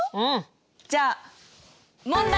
じゃあ問題！